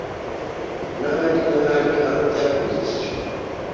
n’ahandi n’ahandi aho byakurikijwe